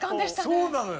そうなのよ。